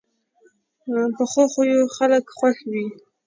پخو خویو خلک خوښ وي